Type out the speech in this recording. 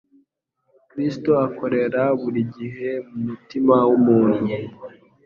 Kristo akorera buri gihe mu mutima w'umuntu.